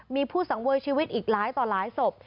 มีผู้สังเวยชีวิตอีกหลายต่อหลายศพ